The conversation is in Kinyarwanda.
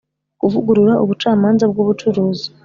kuvugurura ubucamanza bw'ubucuruzi